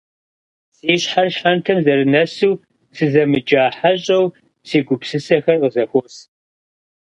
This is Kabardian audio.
Си щхьэр щхьэнтэм зэрынэсу, сызэмыджа хьэщӏэу си гупсысэхэр къызэхуос.